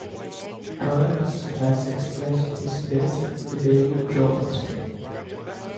Torrance has expressed his debt to David Jones.